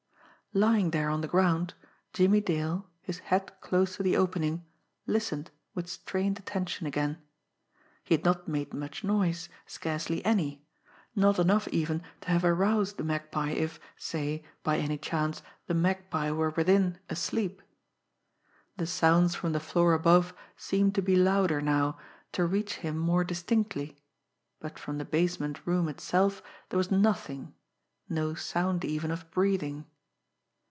Lying there on the ground, Jimmie Dale, his head close to the opening, listened with strained attention again. He had not made much noise, scarcely any not enough even to have aroused the Magpie if, say, by any chance, the Magpie were within asleep. The sounds from the floor above seemed to be louder now, to reach him more distinctly, but from the basement room itself there was nothing, no sound even of breathing.